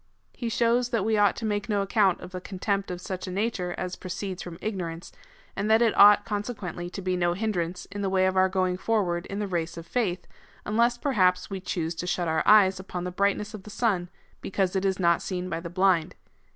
He shows that we ought to make no account of a contempt of such a nature as proceeds from ig norance, and that it ought, consequently, to be no hindrance in the way of our going forward in the race of faith, unless perhaps we choose to shut our eyes upon the brightness of the sun, because it is not seen by the blind.